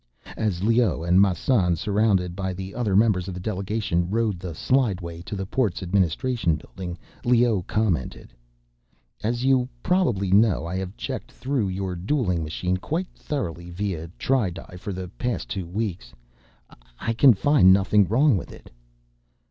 As Leoh and Massan, surrounded by the other members of the delegation, rode the slideway to the port's administration building, Leoh commented: "As you probably know, I have checked through your dueling machine quite thoroughly via tri di for the past two weeks. I can find nothing wrong with it."